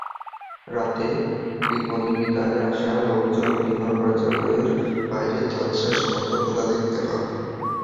রাতে বিপণিবিতানে আসা লোকজন বিমা কার্যালয়ের বাইরের দরজা সামান্য খোলা দেখতে পান।